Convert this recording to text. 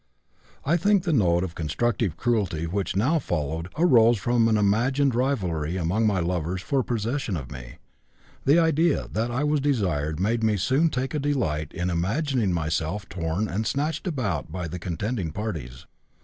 I think the note of constructive cruelty which now followed arose from an imagined rivalry among my lovers for possession of me; the idea that I was desired made me soon take a delight in imagining myself torn and snatched about by the contending parties.